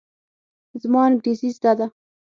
زما انګرېزي زده ده.